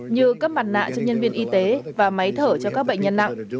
như cấp mặt nạ cho nhân viên y tế và máy thở cho các bệnh nhân nặng